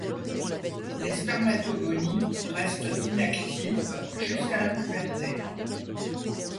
Les spermatogonies restent inactives jusqu'à la puberté.